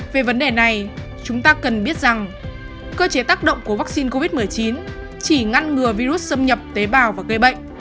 về vấn đề này chúng ta cần biết rằng cơ chế tác động của vaccine covid một mươi chín chỉ ngăn ngừa virus xâm nhập tế bào và gây bệnh